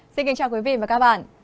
xin kính chào quý vị và các bạn